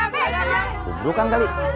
keburu kan kali